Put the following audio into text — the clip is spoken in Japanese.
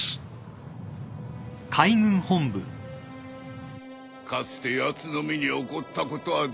かつてやつの身に起こったことは同情に値する。